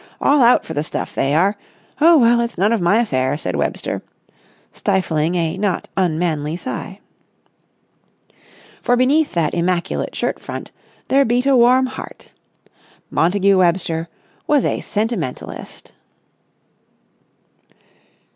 All out for the stuff, they are! Oh, well, it's none of my affair," said Webster, stifling a not unmanly sigh. For beneath that immaculate shirt front there beat a warm heart. Montagu Webster was a sentimentalist.